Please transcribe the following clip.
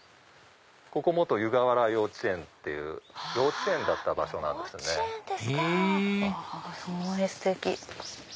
ここ湯河原幼稚園っていう幼稚園だった場所なんです。